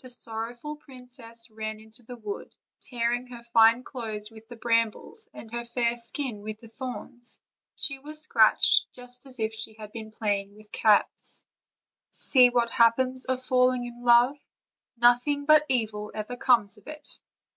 The sorrowful princess ran into the wood, tearing her fine clothes with the brambles and her fair skin with the thorns; she was scratched juet as if she had been playing 348 OLD, OLD FAIRY TALES. with cats see what happens of falling in love; nothing but evil ever comes of it.